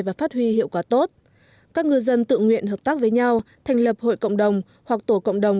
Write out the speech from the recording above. và phát huy hiệu quả tốt các ngư dân tự nguyện hợp tác với nhau thành lập hội cộng đồng hoặc tổ cộng đồng